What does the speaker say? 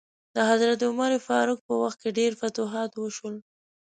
د حضرت عمر فاروق په وخت کې ډیر فتوحات وشول.